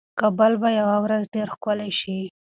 کابل به یوه ورځ ډېر ښکلی شي.